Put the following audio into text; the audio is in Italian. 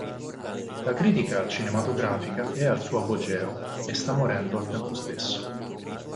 La critica cinematografica è al suo apogeo e sta morendo al tempo stesso".